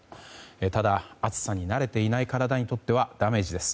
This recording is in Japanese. ただ、暑さに慣れていない体にとってはダメージです。